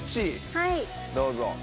どうぞ。